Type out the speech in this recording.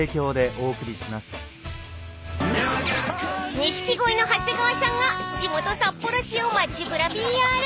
［錦鯉の長谷川さんが地元札幌市を街ぶらＰＲ］